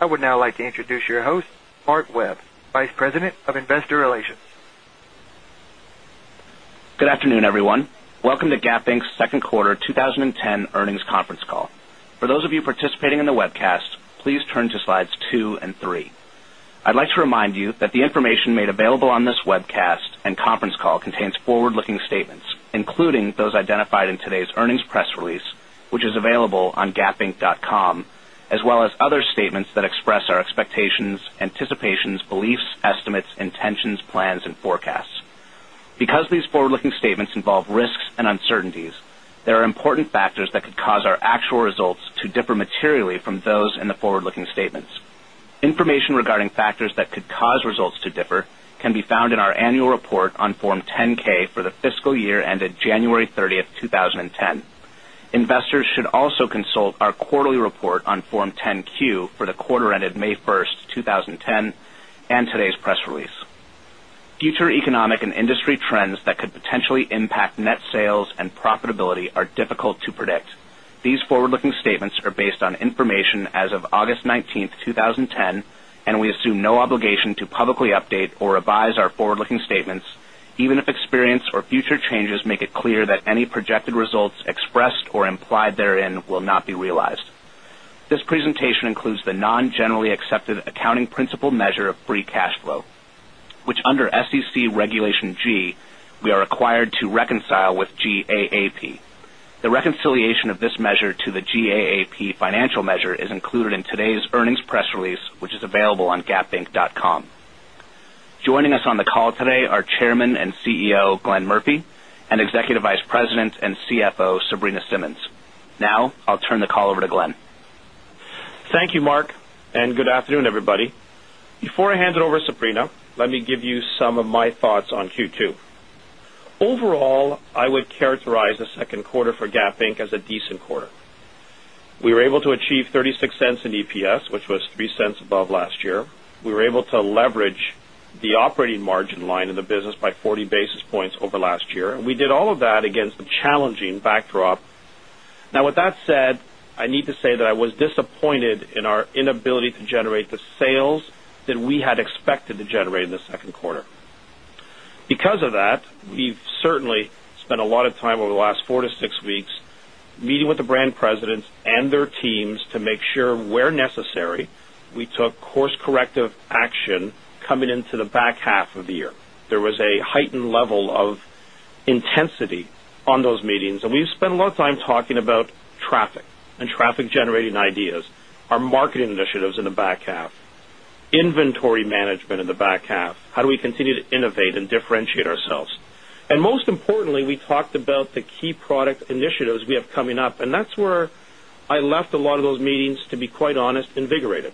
I would now like to introduce your host, Mark Webb, Vice President of Investor Relations. Good afternoon, everyone. Welcome to Gap Inc. 2nd quarter 20 10 earnings conference call. For those of you participating in the webcast, please turn to slides 23. I'd like to remind you that the information made available on this webcast and conference call contains forward looking statements, including those identified in today's earnings press release, which is available on gapinc.com, as well as other statements that express our expectations, anticipations, beliefs, estimates, intentions, plans and forecasts. Because these forward looking statements involve risks and uncertainties, there are important factors that could cause our actual results to differ materially from those in the forward looking statements. Information regarding factors that could cause results to differ can be found in our annual report on Form 10 ks for the fiscal year ended January 30, 2010. Investors should also consult our quarterly report on Form 10 Q for the quarter ended May 1, 2010, and today's press release. Future economic and industry trends that could potentially impact net sales and profitability are difficult to predict. These forward looking statements are based on information as of August 19, 2010, and we assume no obligation to publicly update or revise our forward looking statements, even if experience or future changes make it clear that any projected results expressed or implied therein will not be realized. This presentation includes the non generally accepted accounting principle measure of free cash flow, which under SEC Regulation G, we are required to reconcile with GAAP. We are required to reconcile with GAAP. The reconciliation of this measure to the GAAP financial measure is included in today's earnings press release, which is available on gapinc.com. Joining us on the call today are Chairman and CEO, Glenn Murphy and Executive Vice President and CFO, Sabrina Simmons. Now, I'll turn the call over to Glenn. Thank you, Mark, and good afternoon, everybody. Before I hand it over to Sabrina, let me give you some of my thoughts on Q2. Overall, I would characterize the second quarter for Gap as a decent quarter. We were able to achieve $0.36 in EPS, which was $0.03 above last year. We were able to leverage the operating margin line in the business by 40 basis points over last year, and we did all of that against the challenging backdrop. Now with that said, I need to say that I was disappointed in our inability to generate the sales that we had expected to generate in the Q2. Because of that, we've certainly spent a lot of time over the last 4 to 6 weeks meeting with the brand presidents and their teams to make sure where necessary, we took course corrective action coming into the back half of the year. There was a heightened level of intensity on those meetings. And we've spent a lot of time talking about traffic and traffic generating ideas, our marketing initiatives in the back half, inventory management in the back half, how do we continue to innovate and differentiate ourselves. And most importantly, we talked about key product initiatives we have coming up and that's where I left a lot of those meetings to be quite honest and invigorated.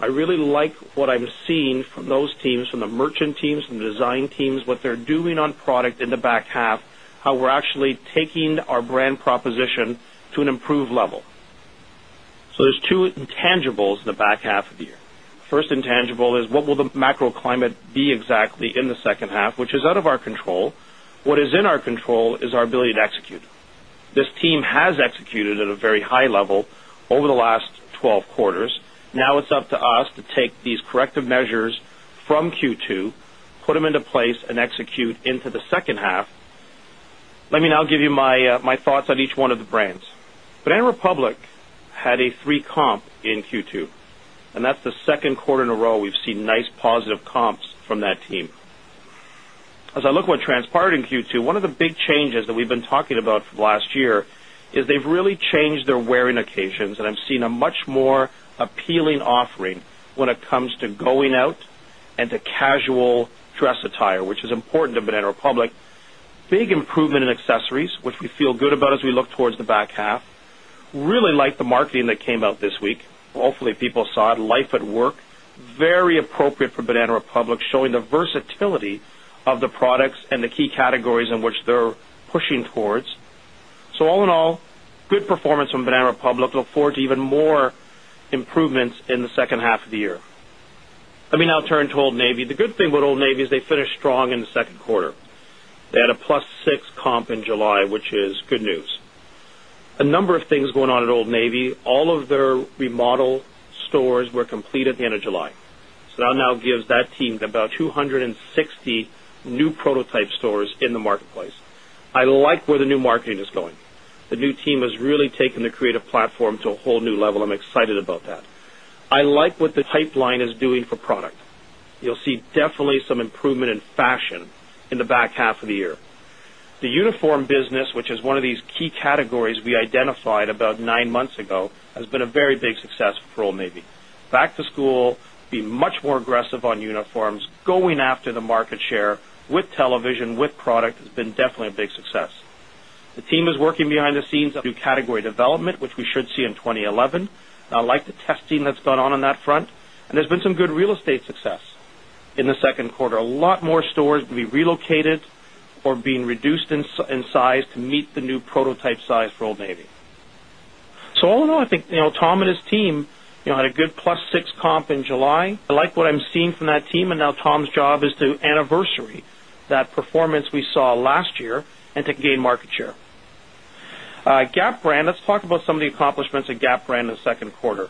I really like what I'm seeing from those teams, from the merchant teams, from the design teams, what they're doing on product in the back half, how we're actually taking our brand proposition to an improved level. So there's 2 intangibles in the back half of the year. First intangible is what will the macro climate be exactly in the second half, which is out of our control. What is in our control is our ability to execute. This team has executed at a very high level over the last 12 quarters. Now it's up to us to take these corrective measures from Q2, put them into place and execute into the second half. Let me now give you my thoughts on each one of the brands. Banana Republic had a 3 comp in Q2, and that's the 2nd quarter in a row we've seen nice positive comps from that team. As I look what transpired in Q2, one of the big changes that we've been talking about from last year is they've really changed their wearing occasions and I'm seeing a much more appealing offering when it comes to going out and to casual dress attire, which is important to Banana Republic. Big improvement in accessories, which we feel good about as we look towards the back half. We improvement in accessories, which we feel good about as we look towards the back half. Really like the marketing that came out this week. Hopefully, people saw it life at work, very appropriate for Banana Republic showing the versatility of the products and the key categories in which they're pushing towards. So all in all, good performance from Banana Republic look forward to even more improvements in the second half of the year. Let me now turn to Old Navy. The good thing with Old Navy is they finished strong in the Q2. They had a plus 6 comp in July, which is good news. A number of things going on at Old Navy, all of their remodel stores were completed at the end of July. So that now gives that team about 260 new prototype stores in the marketplace. Like where the new marketing is going. The new team has really taken the creative platform to a whole new level. I'm excited about that. I like what the pipeline is doing for product. You'll see definitely some improvement in fashion in the back half of the year. The uniform business, which is one of these key categories we identified about 9 months ago has been a very big success for Old Navy. Back to school, be much more aggressive on uniforms, going after the market share with television, with product has been definitely a big success. The team is working behind the scenes of new category development, which we should see in 2011. I like the testing that's gone on that front and there's been some good real estate success in the Q2. A lot more stores to be relocated or being reduced in size to meet the prototype size for Old Navy. So all in all, I think Tom and his team had a good plus 6 comp in July. I like what I'm seeing from that team and now Tom's job is to anniversary that performance we saw last year and to gain market share. Gap brand, let's talk about some of the accomplishments of Gap brand in the 2nd quarter.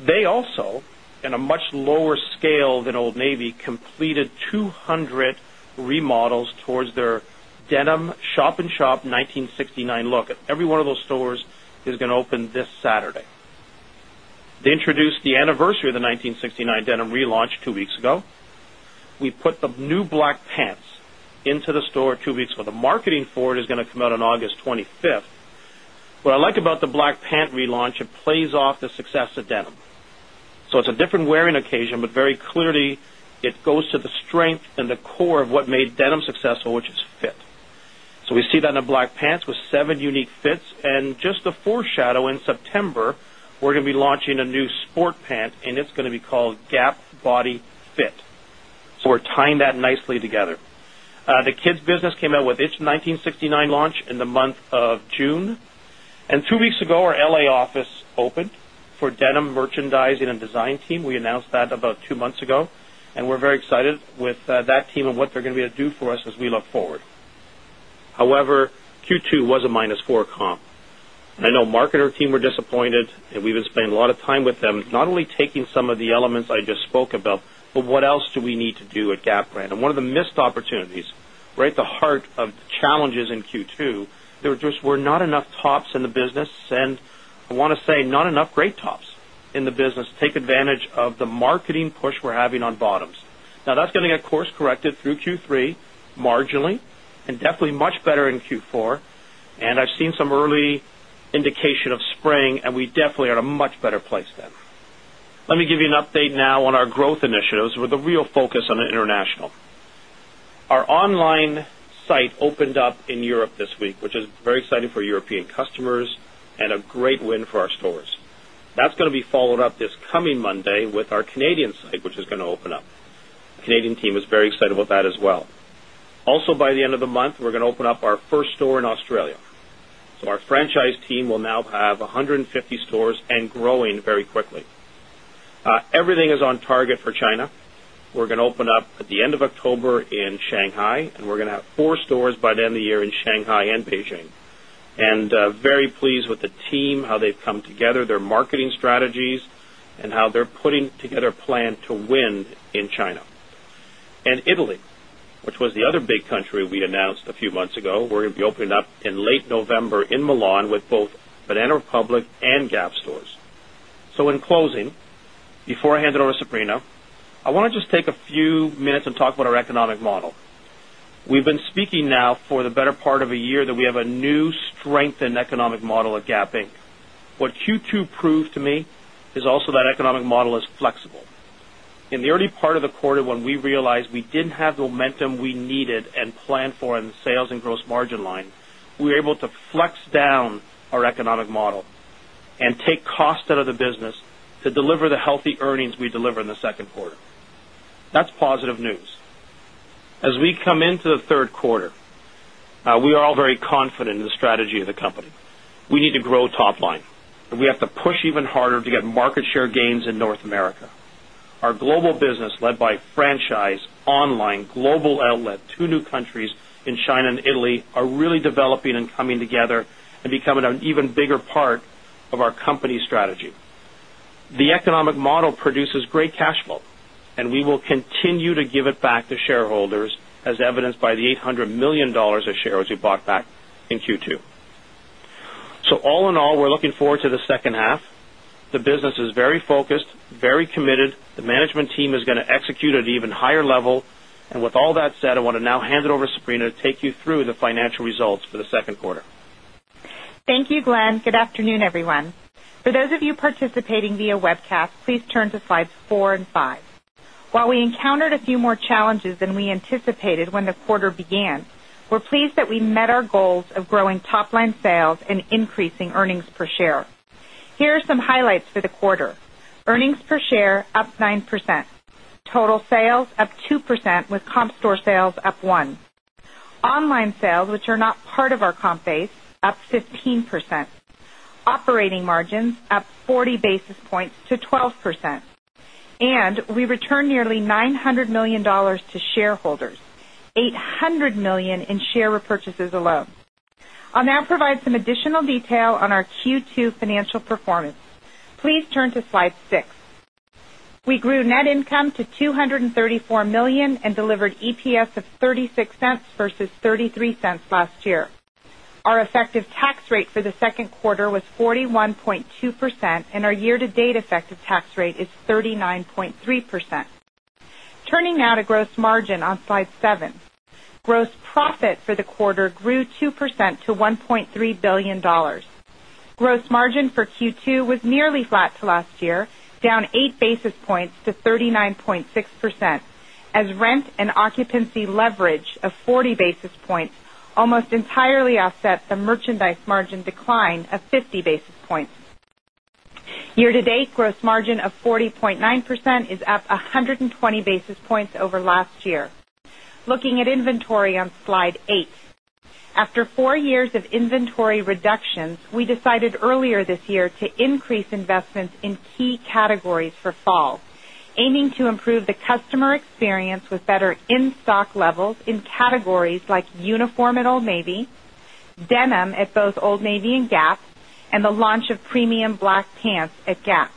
They also in a much lower scale than Old Navy completed 200 remodels towards their denim shop in shop 1969 look at every one of those stores is going to open this Saturday. They introduced the anniversary of the 1969 denim relaunch 2 weeks ago. We put the new black pants into the store 2 weeks for the marketing for it is going out on August 25. What I like about the black pant relaunch, it plays off the success of denim. So it's a different wearing occasion, but very clearly it goes to the strength and the core of what made denim successful, which is fit. So we see that in the black pants with 7 unique fits and just to foreshadow in September, we're going to be launching a new sport pant and it's going to be called Gap Body Fit. So we're tying that nicely together. The kids business came out with its 1969 launch in the month of June. And 2 weeks ago, our LA office opened for denim merchandising and design team. We announced that about 2 months ago, and we're very excited with that team and what they're going to be able to do for us as we look forward. However, Q2 was a minus 4 comp. And I know market and our team were disappointed and we've been spending a lot of time with them, not only taking some of the elements I just spoke about, but what else do we need to do at Gap brand. And one of the missed opportunities, right at the heart of the challenges in Q2, there were just were not enough tops in the business and I want to say not enough great tops in the business. Take advantage of the marketing push we're having on bottoms. Now that's getting a course corrected through Q3 marginally and definitely much better in Q4. And I've seen some early indication of spring and we definitely are in a much better place then. Let me give you an update now on our growth initiatives with a real focus on international. Our online site opened up in Europe this week, which is very exciting for European customers and a great win for our stores. That's going to be followed up this coming Monday with our Canadian site, which is going to open up. Canadian team is very excited about that as well. Also by the end of the month, we're going to open up our first store in Australia. So our franchise team will now have 150 stores and growing very quickly. Everything is on target for China. We're going to open up at the end of October, Everything is on target for China. We're going to open up at the end of October in Shanghai and we're going to have 4 stores by the end of the year in Shanghai and Beijing. And very pleased with the team, how they've come together, their marketing strategies and how they're putting together a plan to win in strategies and how they're putting together a plan to win in China. And Italy, which was the other big country we announced a few months ago, we're going to be opening up in late November in Milan with both Banana Republic and Gap stores. So in closing, before I hand it over to Sabrina, I want to just take a few minutes and talk about our economic model. We've been speaking now for the better part of a year that we have a new strength in economic model at Gap Inc. What Q2 proved to me is also that economic model is flexible. In the early part of the quarter when we realized we didn't have the momentum we needed and plan for in the sales and gross margin line, we were able to flex down our economic model and take cost out of the business to deliver the healthy earnings we deliver in the Q2. That's positive news. As we come into the Q3, we are all very confident in the strategy of the company. We need to grow top line and we have to push even harder to get market share gains in North America. Our global business led by franchise, online, global outlet, 2 new countries in China and Italy are really developing and coming together and become an even bigger part of our company's strategy. The economic model produces great cash flow and we will continue to give it back to shareholders as evidenced by the CAD800 1,000,000 of shares we bought back in Q2. So all in all, we're looking forward to the second half. The business is very focused, very committed. The management team is going to execute at even higher level. And with all that said, I want to now hand it over to Sabrina to take you through the financial results for the Q2. Thank you, Glenn. Good afternoon, everyone. For those of you participating via webcast, please turn to Slides 45. While we encountered a few more challenges than we anticipated when the quarter began, we're pleased that we met our goals of growing top line sales and increasing earnings per share. Here are some highlights for the quarter. Earnings per share up 9% total sales up 2% with comp store sales up 1% online sales, which are not part of our comp base, up 15% operating margins, up 40 basis points to 12 percent and we returned nearly $900,000,000 to shareholders, dollars 800,000,000 in share repurchases alone. I'll now provide some additional detail on our Q2 financial performance. Please turn to Slide 6. We grew net income to $234,000,000 and delivered EPS of $0.36 versus $0.33 last year. Our effective tax rate for the 2nd quarter was 41.2 percent and our year to date effective tax rate is 39.3%. Turning now to gross margin on Slide 7. Gross profit for the quarter grew 2 percent to $1,300,000,000 Gross margin for Q2 was nearly flat to last year, down 8 basis points to 39.6 percent as rent and occupancy leverage of 40 basis points almost entirely offset the merchandise margin decline of 50 basis points. Year to date, gross margin of 40.9% is up 120 basis points over last year. Looking at inventory on Slide 8. After 4 years of inventory reductions, we decided earlier this year to increase investments in key categories for fall, aiming to improve categories like uniform at Old Navy, denim at both Old Navy and Gap and the launch of premium black pants at Gap.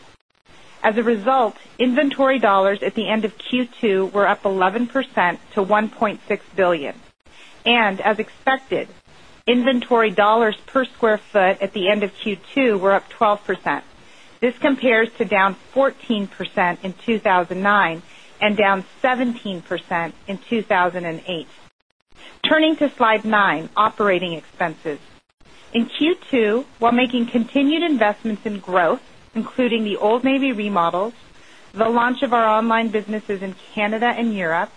As a result, inventory dollars at the end of Q2 were up 11% to $1,600,000,000 And as expected, inventory dollars per square foot at the end of Q2 were up 12%. This compares to down 14% in 2,009 and down 17% in 2,008. Turning to Slide 9, operating expenses. In Q2, while making continued investments in growth, including the Old Navy remodels, the launch of our online businesses in Canada and Europe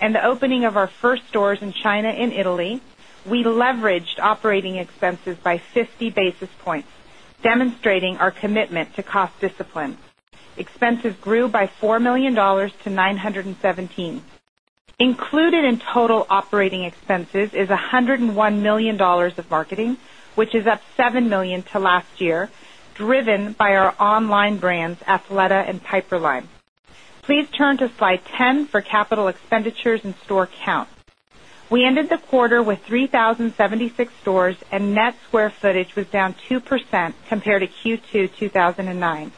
and the opening of our first stores in China and Italy, we leveraged operating expenses by 50 basis points, demonstrating our commitment to cost discipline. Expenses grew by $4,000,000 to $9.17 Included in total operating expenses is $101,000,000 of marketing, which is up $7,000,000 to last year, driven by our online brands Athleta and Piperline. Please turn to Slide 10 for capital expenditures and store count. We ended the quarter with 3,070 6 stores and net square footage was down 2% compared to Q2 2,009.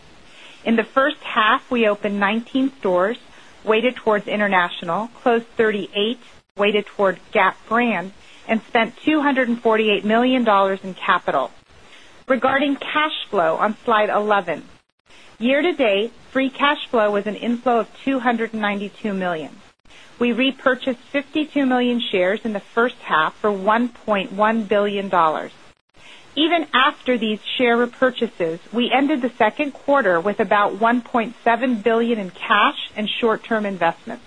In the first half, we opened 19 stores weighted towards international, closed 38 weighted towards Gap brand and spent $248,000,000 in capital. Regarding cash flow on Slide 11. Year to date, free cash flow was an inflow of $292,000,000 We repurchased 52,000,000 shares in the first half for $1,100,000,000 Even after these share repurchases, we ended the 2nd quarter with about $1,700,000,000 in cash and short term investments.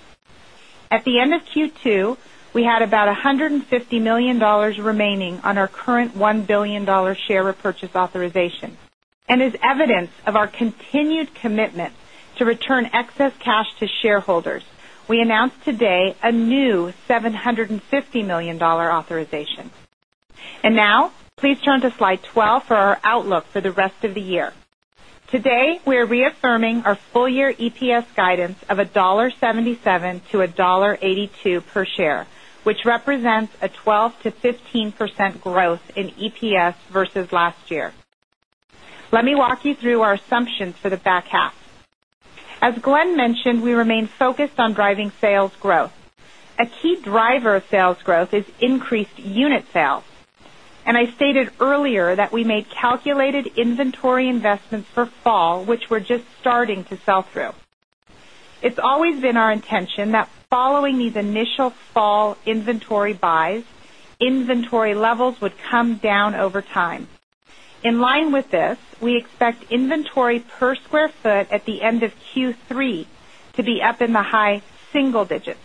At the end of Q2, we had about $150,000,000 remaining on our current $1,000,000,000 share repurchase authorization. And as evidence of our continued commitment to return excess cash to shareholders. We announced today a new $750,000,000 authorization. And now please turn to Slide 12 for our outlook for the rest of the year. Today, we are reaffirming our full year EPS guidance of $1.77 to $1.82 per share, which represents a 12% to 15% growth in EPS versus last year. Let me walk you through our assumptions for the back half. As Glenn mentioned, we remain focused on driving sales growth. A key driver of sales growth is increased unit sales. And I stated earlier that we made calculated inventory investments for fall, which were just starting to sell through. It's always been our intention that following these initial fall inventory buys, inventory levels would come down over time. In line with this, we expect inventory per square foot at the end of Q3 to be up in the high single digits.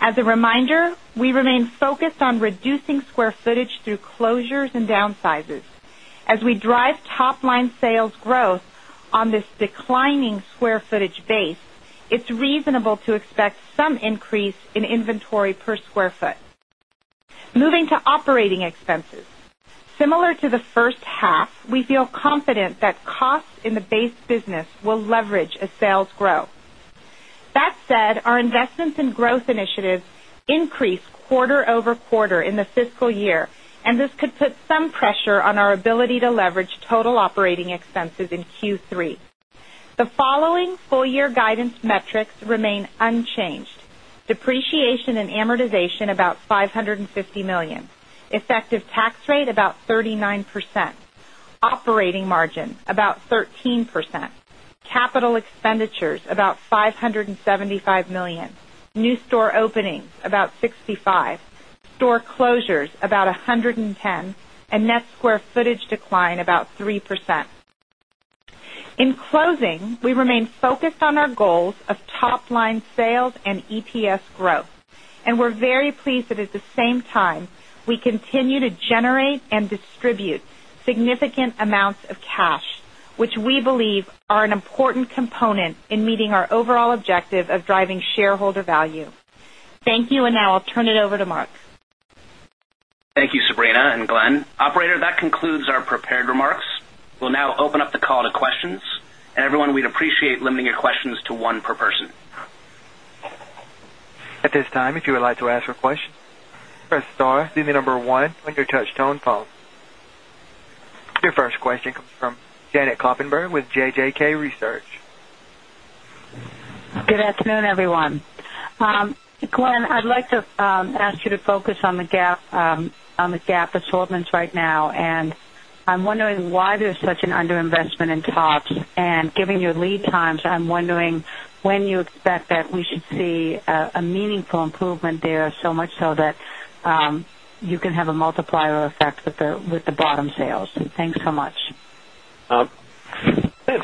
As a reminder, we remain focused on reducing square footage through closures and downsizes. As we drive top line sales growth on this declining square footage base, it's reasonable to expect some increase in inventory per square foot. Moving to operating expenses. Similar to the first half, we feel confident that costs in the base business will leverage as sales grow. That said, our investments in growth initiatives increased quarter over quarter in the fiscal year and this could put some pressure on our ability to leverage total operating expenses in Q3. The following full year guidance metrics remain unchanged: Depreciation and amortization about $550,000,000 effective tax rate about 39 percent operating margin about 13% capital expenditures about $575,000,000 new store openings about $65,000,000 store closures about $110,000,000 and net square footage decline about 3%. In closing, we remain focused on our goals of top line sales and EPS growth, And we're very pleased that at the same time, we continue to generate and distribute significant amounts of cash, which we believe are an important component in meeting our overall objective of driving shareholder value. Thank you. And now I'll turn it over to Mark. Thank you, Sabrina and Glen. Operator, that concludes our prepared remarks. We'll now open up the call to questions. And everyone, we'd appreciate limiting your questions to 1 per person. Your first question comes from Janet Kloppenburg with JJK Research. Good afternoon, everyone. Glenn, I'd like to ask you to focus on the GAAP assortments right now. And I'm wondering why there's such an underinvestment in tops. And given your lead times, I'm wondering when a It's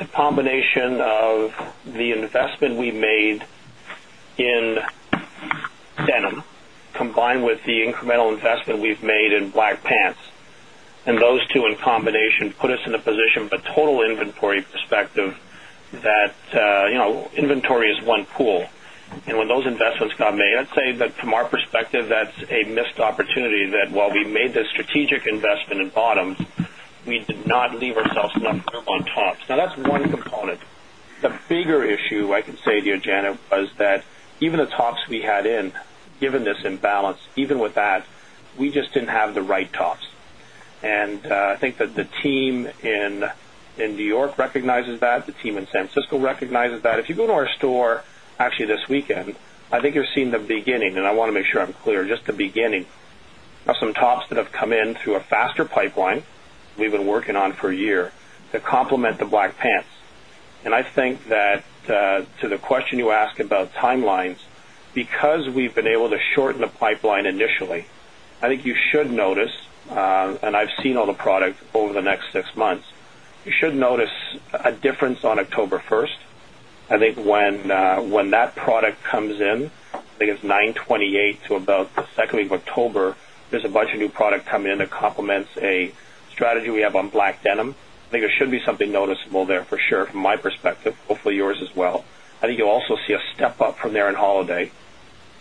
a combination of the investment we made in denim combined with the incremental investment we've made in black pants. And those two in combination put us in a position for total inventory perspective that inventory is 1 pool. And when those investments got made, I'd say that from our perspective, that's a missed opportunity that while we made the strategic investment in bottoms, we did not leave ourselves enough room on tops. Now that's one component. The bigger issue I can say to you, Janet, was that even the tops we had in, given this imbalance, even with that, we just didn't have the right tops. And I think the team in New York recognizes that, the team in San Francisco recognizes that. If you go to our store actually this weekend, I think you've seen the beginning and I want to make sure I'm clear just the beginning of some tops that have come in through a faster pipeline we've been working on for a year to complement the black pants. And I think that to the question you asked about timelines because we've been able to shorten the pipeline initially, I think you should notice and I've seen all the product over the next 6 months, you should notice a difference on October 1. I think when that product comes in, I think it's 9.20 8 to about the 2nd week of October, there's a bunch of new product coming in that complements a strategy we have on black denim. I think it should be something noticeable there for sure from my perspective, hopefully yours as well. I think you'll also see a step up from there in holiday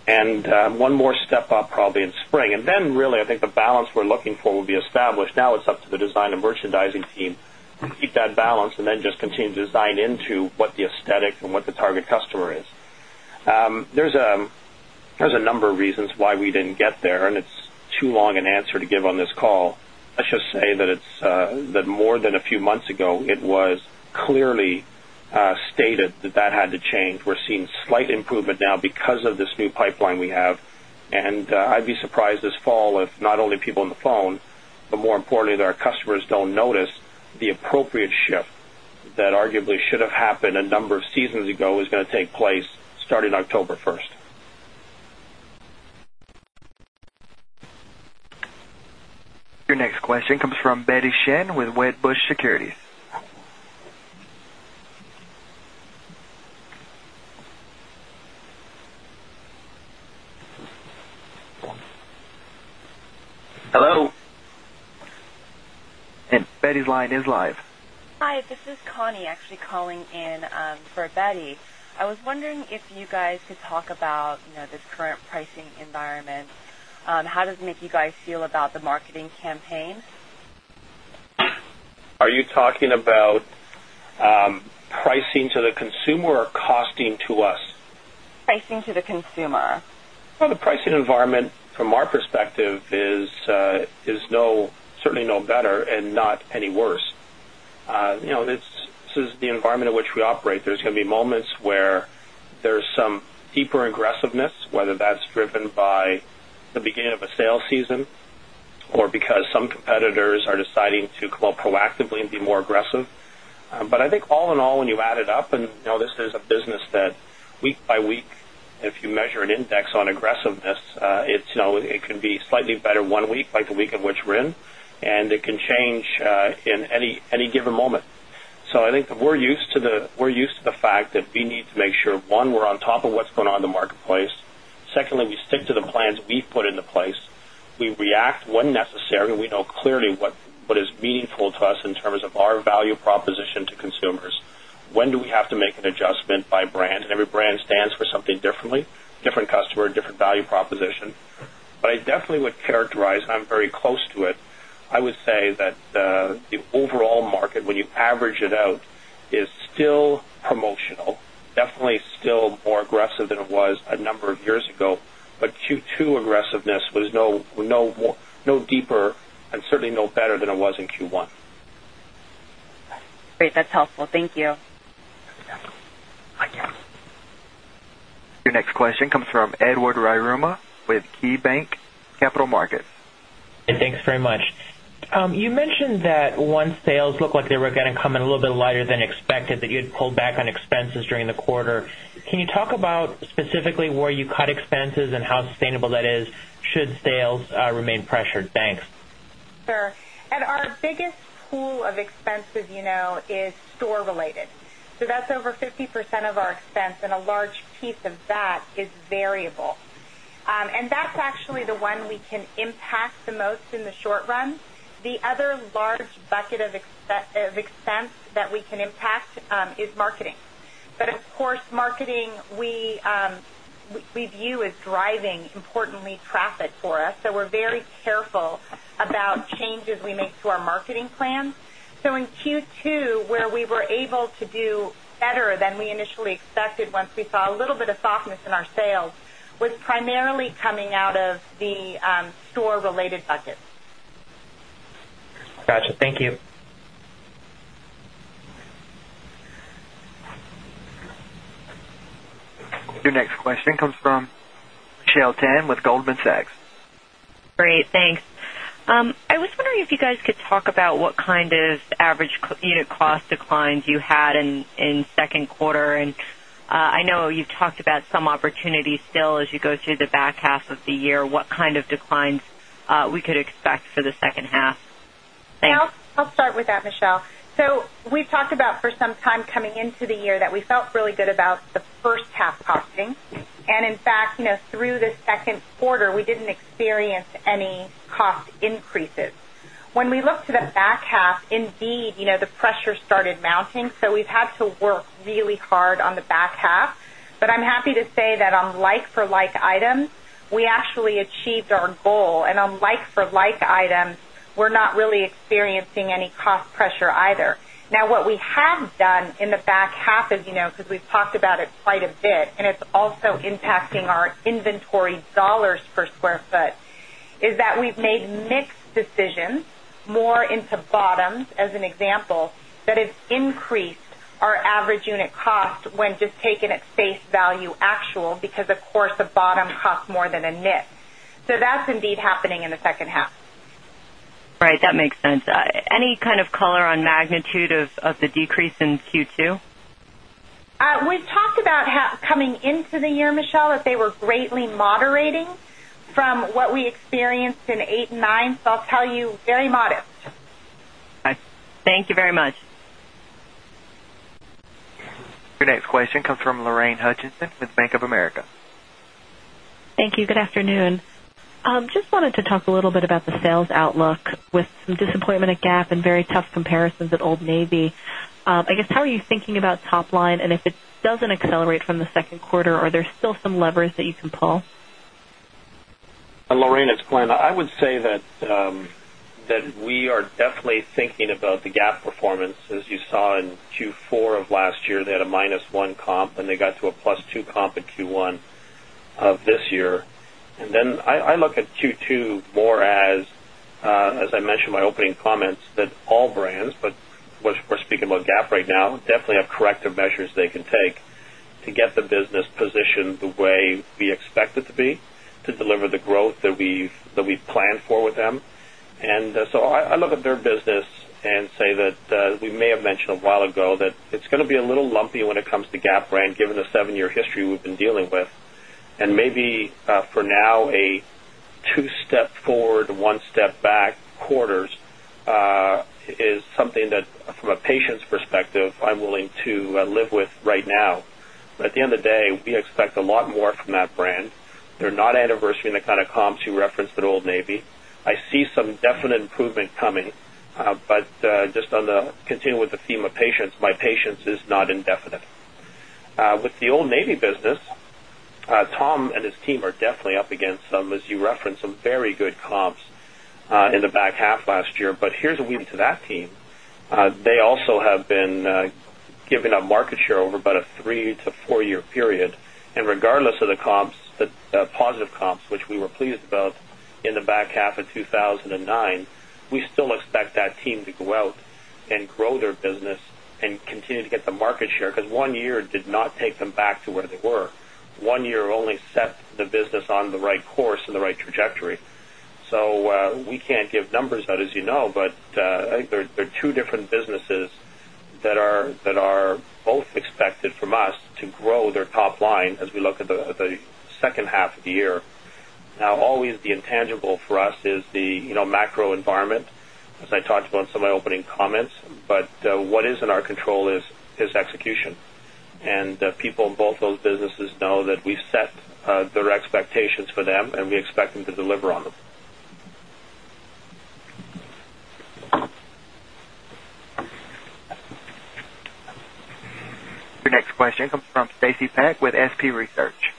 and one more step up probably in spring. And then really, I think the balance we're looking for will be established. And step up probably in spring. And then really, I think the balance we're looking for will be established. Now it's up to the design and merchandising team to keep that balance and then just continue to design into what the aesthetic and what the target customer is. There's a number of reasons why we didn't get there and it's too long an answer to give on this call. I should say, we didn't get there and it's too long an answer to give on this call. Let's just say that it's that more than a few months ago, it was clearly stated that that had to change. We're seeing slight improvement now because of this new pipeline we have. And I'd be surprised this fall if not only people on the phone, but more importantly that our customers don't notice the appropriate shift that arguably should have happened a number of seasons ago is going to take place starting October 1. Your next question comes from Betty Hsien with Wedbush Securities. Hello? And Betty's line is live. Hi, this is Connie actually calling in for Betty. I was wondering if you guys could talk about this current pricing environment. How does Mickey guys feel about the marketing campaign? Are you talking about pricing to the consumer or costing to us? Pricing to the consumer. Well, the pricing environment from our perspective is no certainly no better and not any worse. This is the environment in which we operate. There is going to be moments where there is some deeper aggressiveness, whether that's driven by the beginning of a sales season or because some competitors are deciding to come up proactively and be more aggressive. But I think all in all, when you add it up and this is a business that week by week, if you measure an index on aggressiveness, it can be slightly better 1 week, like the week at which we're in, and it can change in any given moment. So I think that we're used to the fact that we need to make sure, 1, we're on top of what's going on in the marketplace. Secondly, we stick to the plans we put into place. We react when necessary, we know clearly what is meaningful to us in terms of our value we know clearly what is meaningful to us in terms of our value proposition to consumers, when do we have to make an adjustment by brand, and every brand stands for something differently, different customer, different value proposition. But I definitely would characterize and I'm very close to it, I would say that the overall market when you average it out is still promotional, definitely still more aggressive than it was a number of years ago, but Q2 aggressiveness was no deeper and certainly no better than it was in Q1. Great. That's helpful. Thank you. Your next question comes from Edward Yruma with KeyBanc Capital Markets. Thanks very much. You mentioned that once sales look like they were going to come in a little bit lighter than expected that you had pulled back on expenses during the quarter. Can you talk about specifically where you cut expenses and how sustainable that is should sales remain pressured? Thanks. Sure. And our biggest pool of expenses is store related. So that's over 50% of our expense and a large piece of that is variable. And that's actually the one we can impact the most in the short run. The other large bucket of expense that we can impact is marketing. But of course, marketing we view as driving importantly traffic for us. So we're very careful about changes we make to our marketing plan. So in Q2 where we were able to do better than we initially expected once we saw a little bit of softness in our sales was primarily coming out of the store related buckets. Got you. Thank you. Your next question comes from Michelle Tan with Goldman Sachs. Great, thanks. I was wondering if you guys could talk about what kind of average unit cost declines you had in Q2. And I know you've talked about some opportunities still as you go through the back half of the year. What kind of declines we could expect for the second half? Thanks. I'll start with that, Michelle. So we've talked about for some time coming into the year that we felt really good about the first half costing. And in fact, through the Q2, we didn't experience any cost increases. When we look to the back half, indeed, the pressure started mounting. So we've had to work really hard on the back half. But I'm happy to say that on like for like items, we actually achieved our goal. And on like for like items, we're not really experiencing any cost pressure either. Now what we have done in the back half, as you know, because we've talked about it quite a bit and it's also impacting our inventory dollars per square foot is that we've made mix decisions more into bottoms as an example that has increased our average unit cost when just taken at face value actual because of course the bottom cost more than a net. So that's indeed happening in the second half. Right. That makes sense. Any kind of color on magnitude of the decrease in Q2? We've talked about coming into the year, Michelle, that they were greatly moderating from what we experienced in 'eight and 'nine. So I'll tell you very modest. Thank you very much. Your next question comes from Lorraine Hutchinson with Bank of America. Thank you. Good afternoon. Just wanted to talk a little bit about the sales outlook with some disappointment at Gap and very tough comparisons at Old Navy. I guess how are you thinking about top line? And if it doesn't accelerate from the Q2, are there still some levers that you can pull? And Lorene, it's Glenn. I would say that we are definitely thinking about the GAAP performance as you saw in Q4 of last year, they had a minus 1 comp and they got to a plus 2 comp in Q1 of this year. And then I look at Q2 more as I mentioned in my opening comments that all brands, but we're speaking about Gap right now, definitely have corrective measures they can take to get the business positioned the way we expect it to be, to deliver the growth that we've planned for with them. And so I look at their business and say that we may have mentioned a while ago that it's going to be a little lumpy when it comes to Gap brand given the 7 year history we've been dealing with. And maybe for now a 2 step forward, 1 step back quarters is something that from a patient's perspective, I'm willing to live with right now. But at the end of the day, we expect a lot more from that brand. They're not anniversarying the kind of comps you referenced at Old Navy. I see some definite improvement coming, but just on the continue with the theme of patience, my patience is not indefinite. With the Old Navy business, Tom and his team are definitely up against some as you referenced some very good comps in the back half last year, but here's a reason to that team. They also have been giving up market share over about a 3 to 4 year period. And regardless of the comps, the positive comps, which we were pleased about in the back half of 2009, we still expect that team to go out and grow their business and continue to get the market share because 1 year did not take them back to where they were. 1 year only set the business on the right course and the right trajectory. So we can't give numbers out as you know, but there are 2 different businesses that are both expected from us to grow their top line as we look at the second half of the year. Now always the intangible for us is the macro environment, as I talked about in some of my opening comments, but what is in our control is execution. And people in both those businesses know that we set their expectations for them and we expect them to deliver on them. Your next question comes from Stacy Peck with SP Research.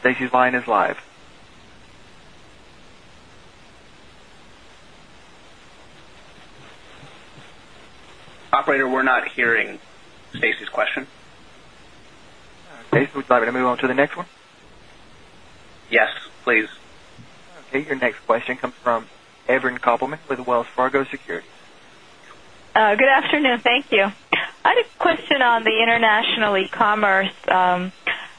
Stacy's line is live. Operator, we're not hearing Stacy's question. Stacy, would you like me to move on to the next Yes, please. Okay. Your next question comes from Evelyn Koppelman with Wells Fargo Securities. Good afternoon. Thank you. I had a question on the international e commerce.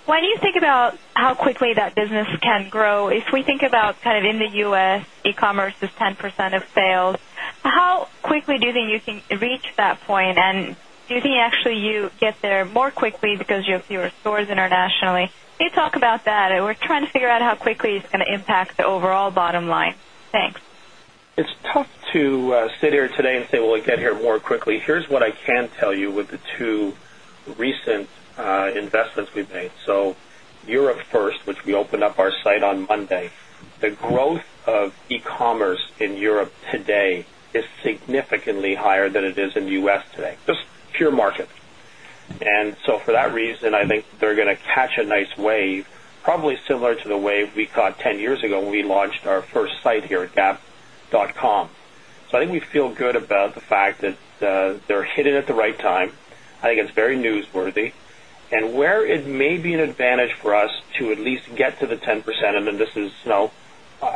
When you think about how quickly that business can grow, if we think about kind of in the U. S, e commerce is 10% of sales. How quickly do you think you can reach that point? And do you think actually you get there more quickly because you have fewer stores internationally? Can you talk about that? And we're trying to figure out how quickly it's going to impact the overall bottom line. Thanks. It's tough to sit here today and say, well, we'll get here more quickly. Here's what I can tell you with the two recent investments we've made. So Europe first, which we opened up our site on Monday, the growth of e commerce in Europe today is significantly higher than it is in U. S. Today, just pure market. And so for that reason, I think they're going to catch a nice wave probably similar to the wave we caught 10 years ago when we launched our first site here at gap.com. So I think we feel good about the fact that they're hidden at the right time. I think it's very newsworthy. And where it may be an advantage for us to at least get to the 10% and then this is now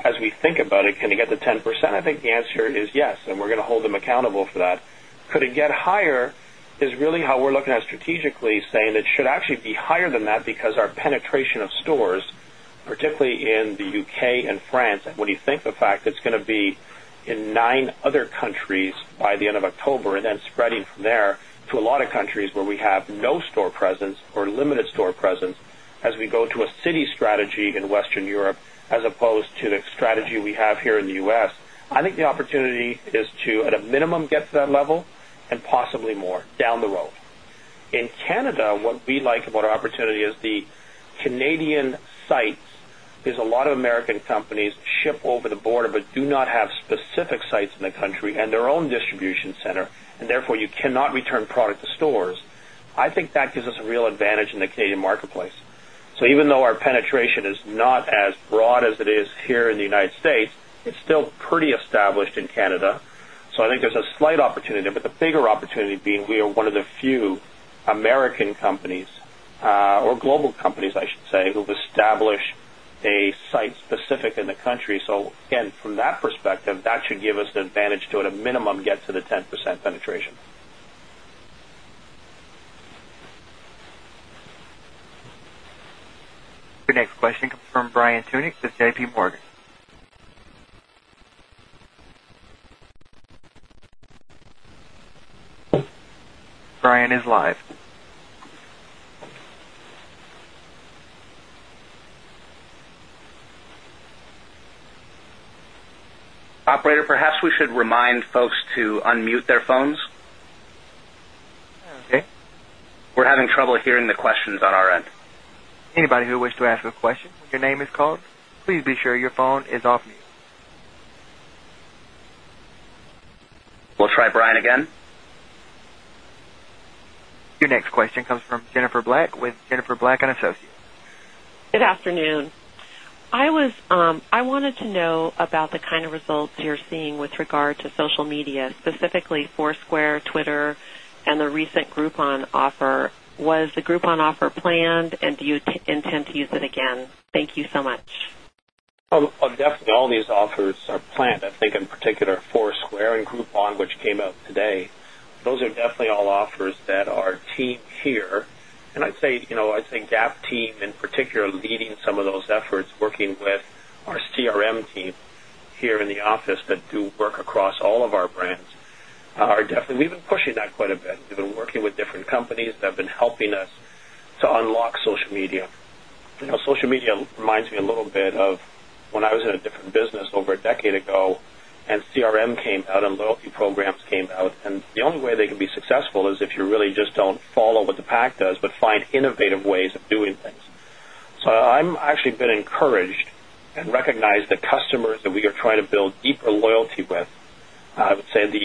as we think about it, can you get the 10%, I think the answer is yes, and we're going to hold them accountable for that. Could it get higher is really how we're looking at strategically saying that should actually be higher than that because our penetration of stores, particularly in the UK and France, and what do you think the fact that's going to be in 9 other countries by the end of October and then spreading from there to a lot of countries where we have no store presence or limited store presence as we go to a city strategy in Western Europe as opposed to the strategy we have here in the U. S, I think the opportunity is to at a minimum get to that level and possibly more down the road. In Canada, what we like about our opportunity is the Canadian sites. There's a lot of American companies ship over the border, but do not have specific sites in the country and their own distribution center and therefore you cannot return product to stores. I think that gives us a real advantage in the Canadian marketplace. So even though our penetration is not as broad as it is here in the United States, it's still pretty established in Canada. So I think there's a slight opportunity, but the bigger opportunity being we are one of the few American companies or global companies I should say who have established a site specific in the country. So again from that perspective that should give us the advantage to at a minimum get to the 10% penetration. Your next question comes from Brian Tunic with JPMorgan. We're having trouble hearing the questions on our end. We'll try Brian again. Your next question comes from Jennifer Black with Jennifer Black and Associates. Good afternoon. I was I wanted to know about the kind of results you're seeing with regard to social media, specifically Foursquare, Twitter and the recent Groupon offer. Was the Groupon offer planned? And do you intend to use it again? Thank you so much. Definitely, all these offers are planned, I think in particular Foursquare and Groupon which came out today. Those are definitely all offers that our team here and I'd say, I'd say Gap team in particular leading some of those efforts working with our CRM team here in the office that do work across all of our brands are definitely we've been pushing that quite a bit. We've been working with different companies that have been helping us to unlock social media. Social media reminds me a little bit of when I was in a different business over a decade ago and CRM came out and loyalty programs came out and the only way they can be successful is if you really just don't follow what the pack does, but find innovative ways of doing things. So I'm actually been encouraged and recognized the customers that we are trying to build deeper loyalty with. I would say the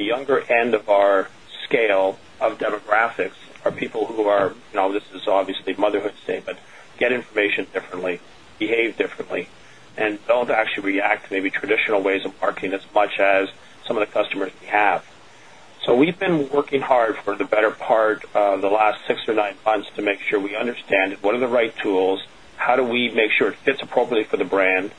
younger end of our scale of demographics are people who are, now this is obviously motherhood statement, get information differently, behave differently and don't actually react to maybe traditional ways of marketing as much as some of the customers we have. So we've been working hard for the better part of the last 6 or 9 months to make sure we understand what are the right tools, how do we make sure it fits appropriately for the brand.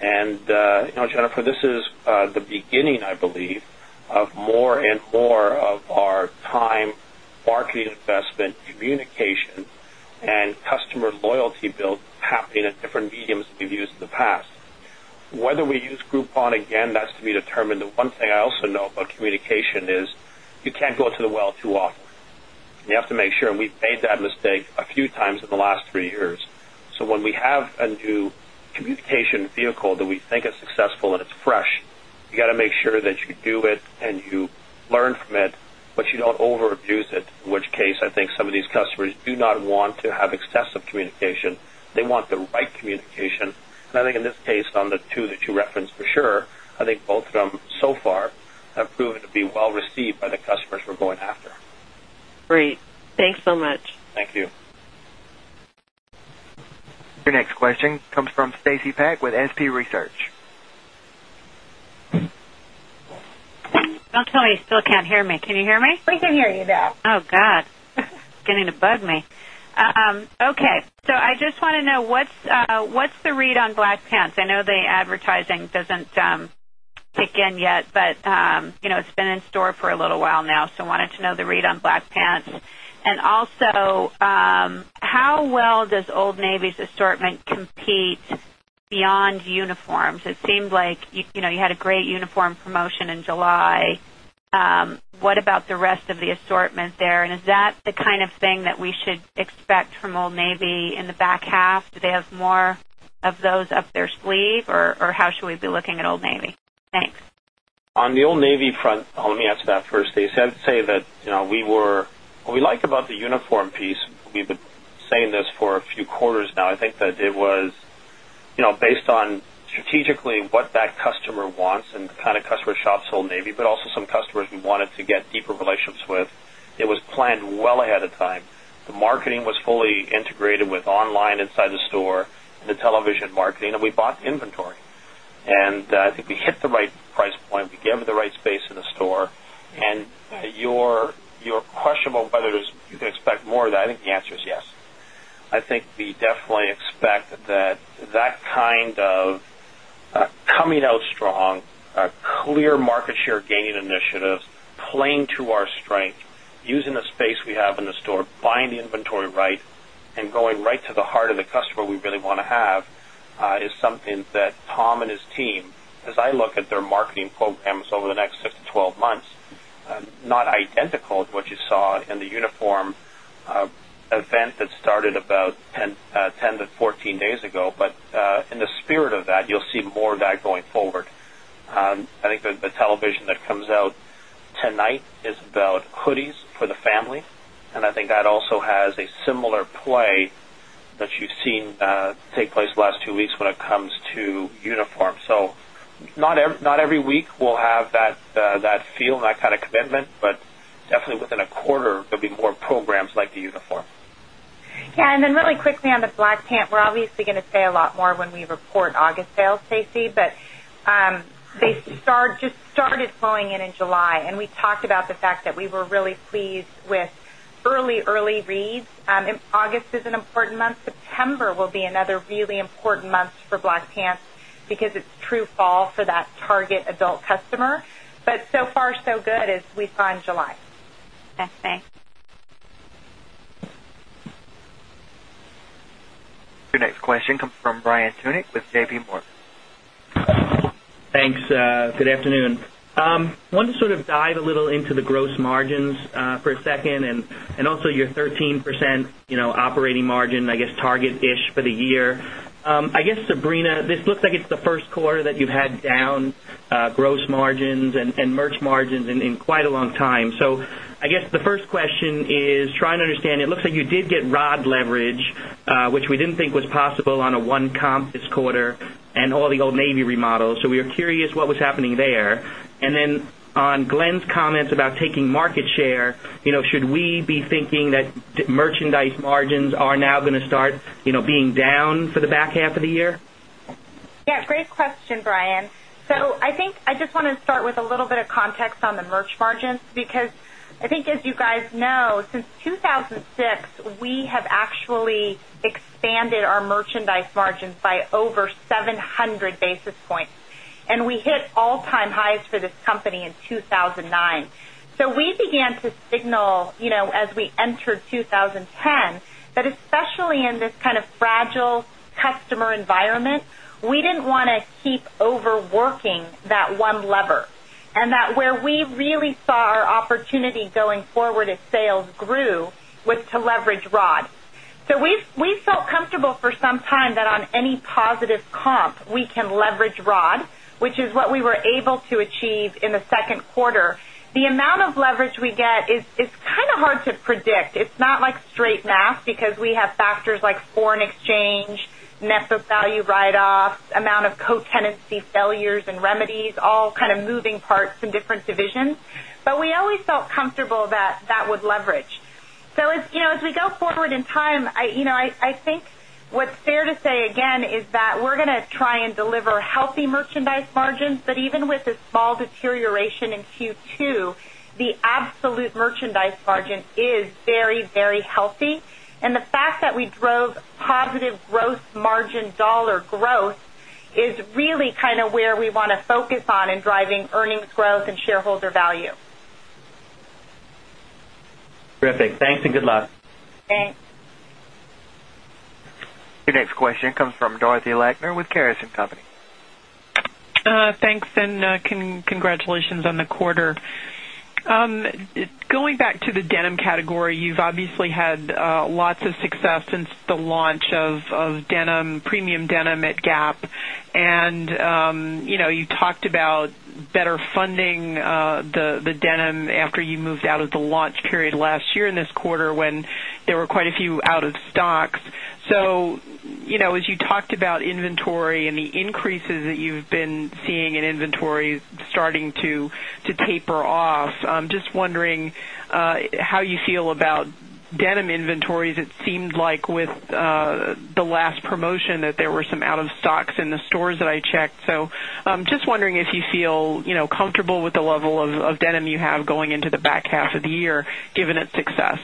And, Jennifer, this is the beginning, I believe, of more and more of our time, marketing investment, communication and customer loyalty build happening at different mediums than we've used in the past. Whether we use Groupon again, that's to be determined. The one thing I also know about communication is you can't go to the well too often. You have to make sure and we've made that mistake a few times in the last 3 years. So when we have a new communication vehicle that we think is successful and it's fresh, you got to make sure that you do it and you learn from it, but you don't over abuse it, in which case I think some of these customers do not want to have excessive communication. They want the right communication. And I think in this case on the 2 that you referenced for sure, I think both of them so far have proven to be well received by the customers we're going after. Great. Thanks so received by the customers we're going after. Great. Thanks so much. Thank you. Your next question comes from Stacy Peck with SP Research. Don't tell me you still hear me. Can you hear me? We can hear you now. Oh, God. It's getting to bug me. Okay. So I just want to know what's the read on black pants? I know the advertising doesn't kick in yet, but it's been in store for a little while now. So I wanted to know the read on black pants. And also how well does Old Navy's assortment compete beyond uniforms? It seems like you had a great uniform promotion in July. What about the rest of the assortment there? And is that the kind of thing that we should expect from Old Navy in the back half? Do they have more of those up their sleeve? Or how should we be looking at Old Navy? Thanks. On the Old Navy front, let me answer that first, Stacy. I'd say that we were what we like about the uniform piece, we've been saying this for a few quarters now, I think that it was based on strategically what that customer wants and kind of customer shops Old Navy, but also some customers we wanted to get customer wants and the kind of customer shops Old Navy, but also some customers we wanted to get deeper relationships with, it was planned well ahead of time. The marketing was fully integrated with online inside the store and the television marketing and we bought inventory. And I think we hit the right price point, we gave them the right space in the store, And I think we hit the right price point, we gave it the right space in the store and your question about whether you expect more of that, I think the answer is yes. I think we definitely expect that that kind of coming out strong, clear market share gaining initiatives, playing to our strength, using the space we have in the store, buying the inventory right and going right to the heart of the customer we really want to have is something that Tom and his team, as I look their marketing programs over the next 6 to 12 months, not identical to what you saw in the Uniform event that started about 10 to 14 days ago, but in the spirit of that, you'll see more of that going forward. I think the television that comes out tonight is about hoodies for the family. And I think that also has a similar play that you've seen take place last 2 weeks when it comes to uniform. So not every week we'll have that feel, that kind of commitment, but definitely within a quarter there'll be more programs like the Uniform. Yes. And then really quickly on the Black Panther, we're obviously going to say a lot more when we report August sales, Stacy, but they start just started flowing in, in July. And we talked about the fact that we were really pleased with early, early reads. August is an important month. September will be another really important month for black pants, because it's true fall for that target adult customer. But so far so good as we saw in July. Okay. Thanks. Good afternoon. I Thanks. Good afternoon. I want to sort of dive a little into the gross margins for a second and also your 13% operating margin, I guess target ish for the year. I guess Sabrina, this looks like it's the Q1 that you've had down gross margins and merch margins in quite a long time. So I guess the first question is trying to understand, it looks like you did get rod leverage, which we didn't think was possible on a one comp this quarter and all the Old Navy remodels. So we are curious what was happening there. And then on Glenn's comments about taking market share, should we be thinking that merchandise margins are now going to start being down for the back half of the year? Yes. Great question, Brian. So I think I just want to start with a little bit of context on the merch margins, because I think as you guys know, since 2,006, we have actually expanded our merchandise margins by over 700 basis points. And we hit all time highs for this company in 2,009. So we began to signal as we entered 2010 that especially in this kind of fragile customer environment, we didn't want to keep overworking that one lever. And that where we really saw our opportunity going forward as sales grew was to leverage Rod. So we felt comfortable for some time that on any positive comp, we can leverage Rod, which is what we were able to achieve in the Q2. The amount of leverage we get is kind of hard to predict. It's not like straight math, because we have factors like foreign exchange, net book value write offs, amount of co tenancy failures and remedies, all kind of moving parts in different divisions. But we always felt comfortable that, that would leverage. Deterioration in Q2, the absolute with a small deterioration in Q2, the absolute merchandise margin is very, very healthy. And the fact that we drove positive gross margin dollar growth is really kind of where we want to focus on in driving earnings growth and shareholder value. Terrific. Thanks and good luck. Thanks. Your next question comes from Dorothy Lachner with Keyurice and Company. Thanks and congratulations on the quarter. Going back to the denim category, you've obviously had lots of success since the launch of denim premium denim at Gap. And you talked about better funding the denim after you moved out of the launch period last year in this quarter when there were quite a few out of stocks. So as you talked about inventory and the increases that you've been seeing in inventory starting to taper off, I'm just wondering how you feel about denim inventories. It seemed like with the last promotion that there were some out of stocks in the stores that I checked. So I'm just wondering if you feel comfortable with the level of denim you have going into the back half of the year given its success?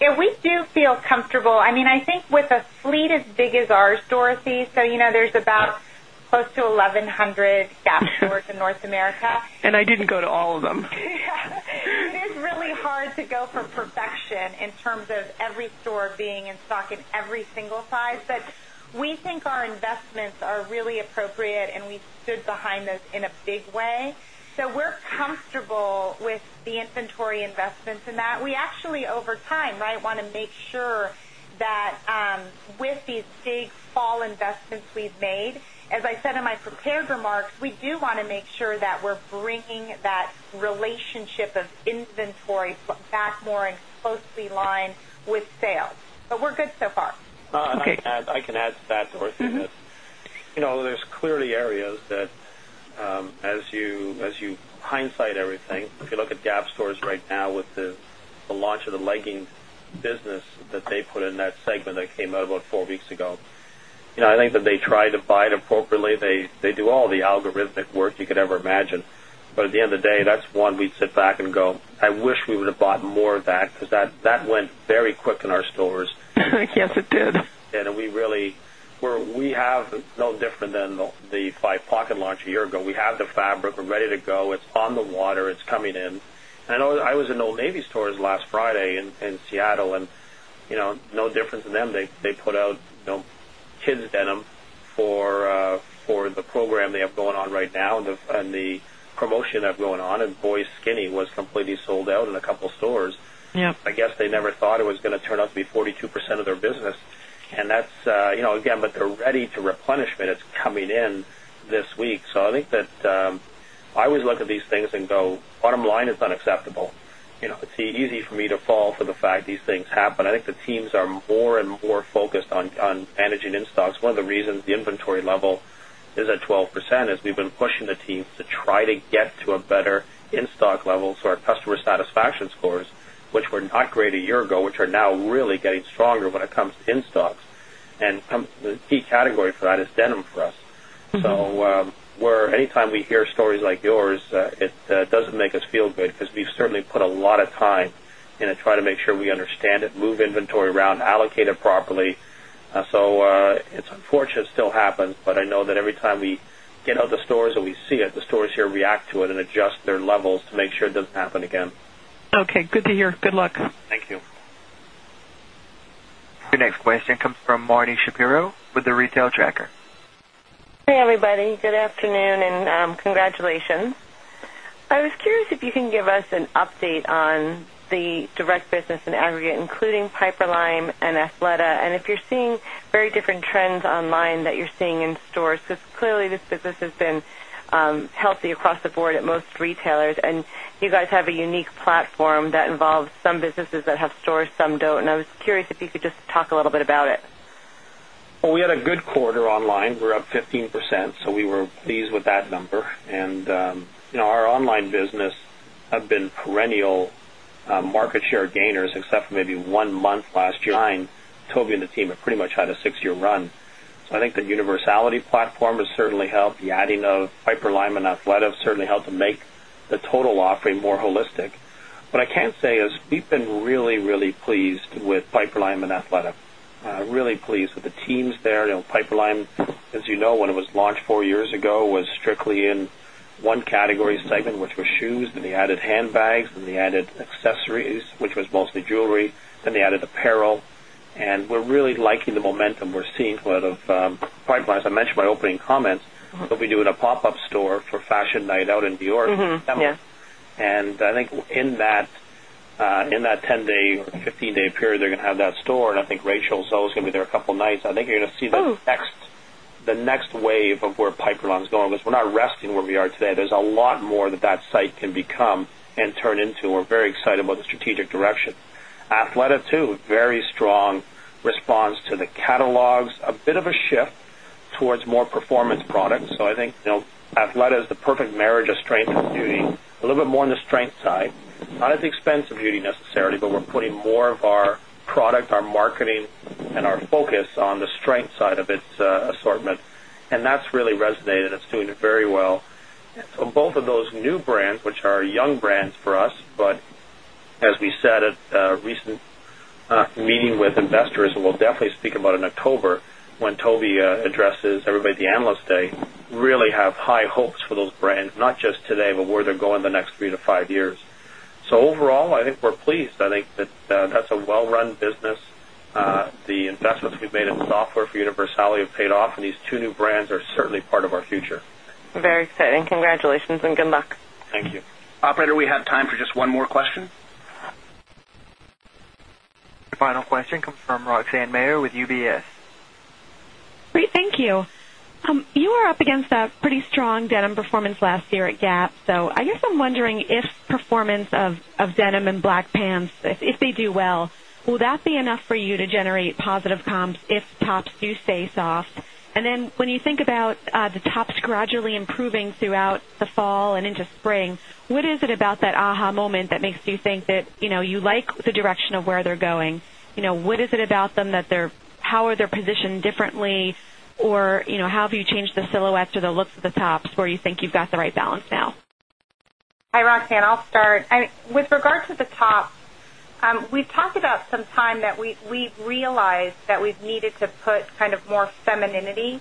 Yes, we do feel comfortable. I mean, I think with a fleet as big as stores, so there's about close to 1100 gas stores in North America. And I didn't go to all of them. Yes. It's really hard to go from perfection in terms of every store being in stock at every single size. But we think our investments are really appropriate and we stood behind those in a big way. So we're comfortable with the inventory investments in that. We actually over time, right, want to make sure that with these big fall investments we've made, as I said in my prepared remarks, we do want to make sure that we're bringing that relationship of inventory back more in closely line with sales. But we're good so far. Okay. I can add to that, Dorothy. There's clearly areas that as you hindsight everything, if you look at Gap stores right now with the launch of the leggings business that they put in that segment that came out about 4 weeks ago. I think that they try to buy it appropriately. They do all the algorithmic work you could ever imagine. But at the end of the day, that's one we'd sit back and go, I wish we would have bought more of that because that went very quick in our stores. Yes, it did. And we really where we have no different than the 5 pocket launch a year ago. We have the fabric, we're ready to go, it's on the water, it's coming in. I know I was in Old Navy stores last Friday in Seattle and no difference in them. They put out kids' denim for them. They put out kids' denim for the program they have going on right now and the promotion that's going on in Boy's Skinny was completely sold out in a couple of stores. I guess they never thought it was going to turn out to be 42% of their business. And that's, again, it was going to turn out to be 42% of their business. And that's again, but they're ready to replenish, but it's coming in this week. So I think that I always look at these things and go bottom line is unacceptable. It's easy for me to fall for the fact these things happen. I think the teams are more and more focused on managing in stocks. One of the reasons the inventory level is at 12% is we've been pushing the teams to try to get to a better in stock level. So our customer satisfaction scores, which were not great a year ago, which are now really getting stronger make us feel good because we've certainly put a lot of time and try to make sure make us feel good because we've certainly put a lot of time and try to make sure we understand it, move inventory around, allocate it properly. So it's unfortunate it still happens, but I know that every time we get out of the stores that we see at the stores here react to it and adjust their levels to make sure it doesn't happen again. Okay. Good to hear. Good luck. Thank you. Your next question comes from Marni Shapiro with The Retail Tracker. Hey, everybody. Good afternoon and I was curious if you can give us an update on the direct business in aggregate including Piper Lime and Athleta and if you're seeing very different trends online that you're seeing in stores because clearly this business has been healthy across the board at most retailers and you guys have a unique platform that the board at most retailers and you guys have a unique platform that involves some businesses that have stores, some don't. And I was curious if you could just talk a little bit about it. Well, we had a good quarter online. We're up 15%. So we were pleased with that number. And our online business have been perennial market share gainers except for maybe 1 month last year. Tobey and the team have pretty much had a 6 year run. So I think the universality platform has certainly helped the adding of Piper Lime, as you know, when it was launched 4 years ago, was strictly in 1 category segment, which was shoes, then they added handbags, then they added accessories, which was mostly jewelry, then they added apparel. And we're really liking the momentum we're seeing out of pipe lines. I mentioned in my opening comments, what we do at a pop up store for fashion night out in New York. And I think in that 10 day or 15 day period, they're going to have that store and I think Rachel is always going to be there a couple of nights. I think you're going to see the next wave of where pipeline is going because we're not resting where we are today. There's a lot more that that site can become and turn into. We're very excited about the strategic direction. Athleta too, very strong response to the catalogs, a bit of a shift towards more performance products. So I think Athleta is the perfect marriage of more performance products. So I think Athleta is the perfect marriage of strength and beauty, a little bit more on the strength side, not at the expense of beauty necessarily, but we're putting more of our product, our marketing and our focus on the strength side of its assortment. And that's really resonated. It's doing it very well. Assortment. And that's really resonated. It's doing it very well. So both of those new brands, which are young brands for us, but as we said at recent meeting with investors, we'll definitely speak about in October when Toby addresses everybody at the Analyst Day, really have high hopes for those brands, not just today, but where they're going in the next 3 to 5 years. So overall, I think we're pleased. I think that that's a well run business. The investments we've made in software for universality have paid off and these 2 new brands are certainly part of our future. Very exciting. Congratulations and good luck. Thank you. Operator, we have time for just one more question. The final question comes from Roxanne Meyer with UBS. Great. Thank you. You are up against a pretty strong denim performance last year at Gap. So I guess I'm wondering if performance of denim and black pants, if they do well, will that be enough for you to generate positive comps if tops do stay soft? And then when you think about the tops gradually improving throughout the fall and into spring, what is it about that moment that makes you think that you like the direction of where they're going? What is it about them that they're how are they positioned differently? Or how have you changed the silhouette or the looks of the tops where you think you've got the right balance now? Hi, Roxanne. I'll start. With regard to the top, we've talked about some time that we've realized that we've needed to put kind of more femininity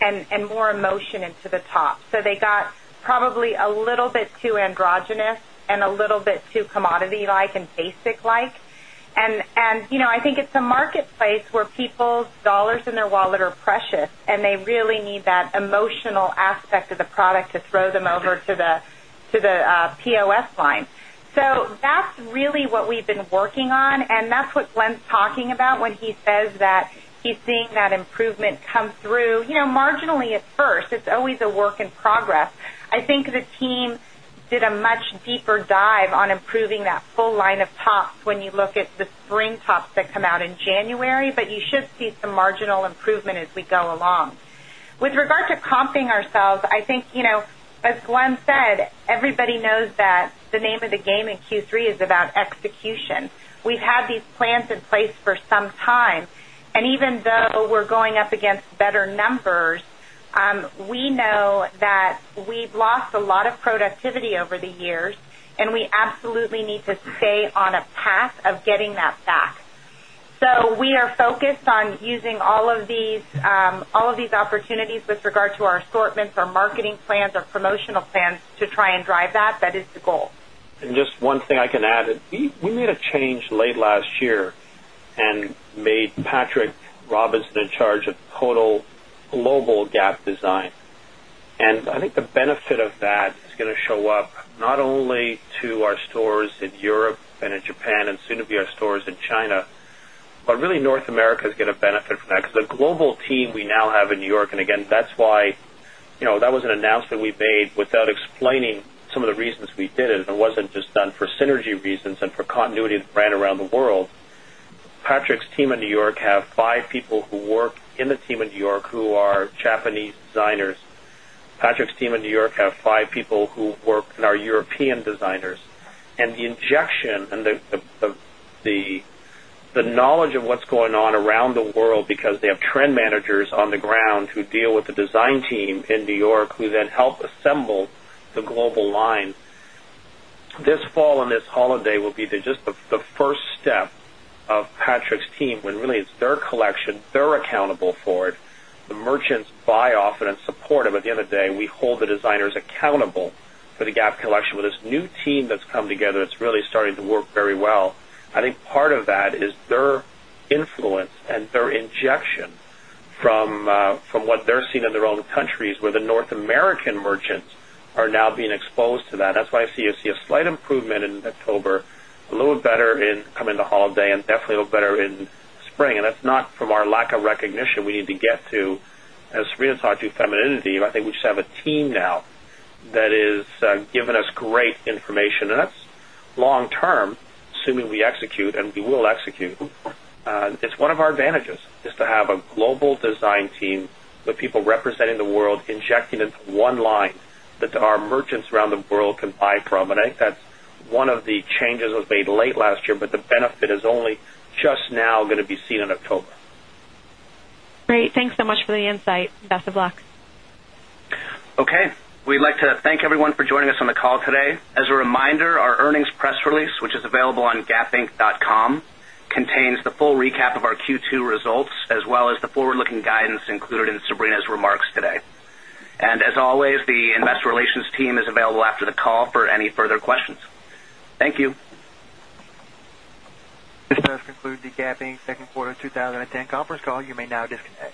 and more emotion into the top. So they got probably a little bit too androgynous and a little bit too commodity like and basic like. And I think it's a marketplace where people's dollars in their wallet are precious and they really need that emotional aspect of the product to throw them over to the POS line. So that's really what we've been working on and that's what Glenn is talking about when he says that he's seeing that improvement come through marginally at first. It's always a work in progress. I think the team did a much deeper dive on improving that full line of tops when you look at the spring tops that come out in January, but you should see some marginal improvement as we go along. With regard to comping ourselves, I think, as Glenn said, everybody knows that the name of the game in Q3 is about execution. We've had these plans in place for some time. And even though we're going up against better numbers, we know that we've lost a lot of productivity over the years and we absolutely need to stay on a path of getting that back. So we are focused on using all of these opportunities with regard to our assortments, our marketing plans, our promotional plans to try and drive that. That is the goal. And just one thing I can add. We made a change late last year and made Patrick Robinson in charge of total global gap design. And I think the benefit of that is going to show up not only to our stores in Europe and in Japan and soon to be our stores in China, but really North America is going to benefit from that because the global team we now have in New York and again that's why that was an announcement we made without explaining some of the reasons we did it and it wasn't just done for synergy reasons and for continuity of the brand around the world. Patrick's team in New York have 5 people who work in the team in New York who are Japanese designers. Patrick's team in New York have 5 people who work in our European designers. And the injection and the knowledge of what's going on around the world because they have trend managers on the the Patrick's team when really it's their collection, they're accountable for it. The merchants buy off and support it, but at the end of the day, we hold the designers accountable for the Gap collection with this new team that's come together, it's really starting to work very well. I think part of that is their influence and their injection from what they're seeing in their own countries where the North American merchants are now being exposed to that. That's why I see a slight improvement in October, a little better in coming the holiday and definitely a little better in spring and that's not from our lack of recognition we need to get to as Sreedhar taught you femininity, I think we just have a team now that is given us great information and that's long term, assuming we execute and we will execute. It's one of our advantages is to have a global design team with people representing the world, injecting into one line that our merchants around the world can buy from. And I think that's one of the changes was made late last year, but the insight. Best of luck. Okay. We'd like to thank everyone for joining us on the call today. As a reminder, our earnings press release, which is available on gapinc.com, contains the full recap of our Q2 results as well as the forward looking guidance included in Sabrina's remarks today. And as always, the Investor Relations team is available after the call for any further questions. Thank you. This does conclude the Gap Inc. 2nd quarter 2010 conference call. You may now disconnect.